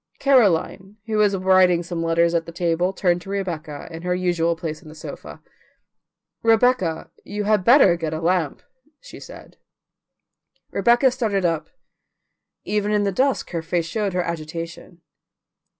Caroline, who was writing some letters at the table, turned to Rebecca, in her usual place on the sofa. "Rebecca, you had better get a lamp," she said. Rebecca started up; even in the dusk her face showed her agitation.